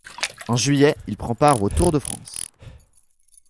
En juillet, il prend part au Tour de France.